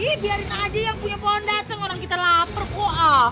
ih biarin aja yang punya pohon dateng orang kita lapar kok ah